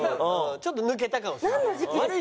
ちょっと抜けたかもしれない。